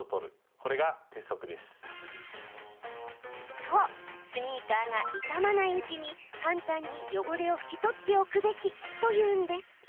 そうスニーカーが傷まないうちに簡単に汚れを拭き取っておくべきというんです。